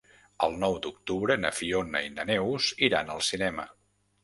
El nou d'octubre na Fiona i na Neus iran al cinema.